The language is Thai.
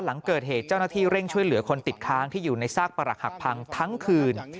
หลังเกิดเหตุเจ้าหน้าที่เร่งช่วยเหลือคนติดค้างที่อยู่ในซากปรักหักพังทั้งคืน